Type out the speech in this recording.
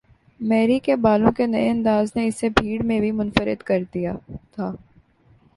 میری کے بالوں کے نئے انداز نے اسے بھیڑ میں بھی منفرد کر دیا تھا۔